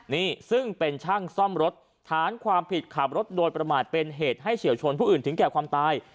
นี่ซึ่งเป็นช่างซ่อมรถฐานความผิดขับรถโดยประมาทเป็นเหตุให้เฉียวชนผู้อื่นถึงแก่ความตาย